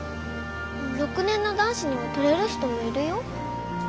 ６年の男子には取れる人もいるよ。